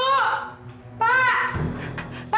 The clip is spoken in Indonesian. terima kasih mbak